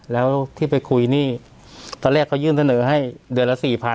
แล้วที่ไปคุยนี่ตอนแรกเขายื่นเสนอให้เดือนละ๔๐๐